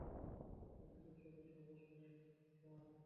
যুক্তিযুক্ত কথা বলেন, স্যার।